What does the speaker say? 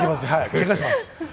けがします。